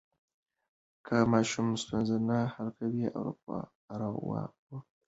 که ماشوم ستونزه نه حل کوي، ارواپوه ته یې یوسئ.